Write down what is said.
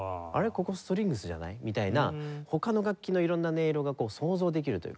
ここストリングスじゃない？みたいな他の楽器の色んな音色が想像できるというか。